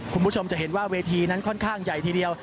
คุณผู้ชมจะเห็นว่าเวทีนั้นค่อนข้างใหญ่ทีเดียว